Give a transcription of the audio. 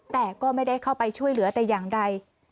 แต่ก็ไม่ได้เข้าไปช่วยเหลือแต่อย่างใด